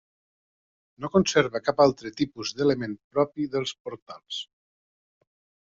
No conserva cap altre tipus d'element propi dels portals.